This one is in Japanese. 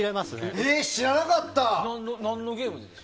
知らなかった！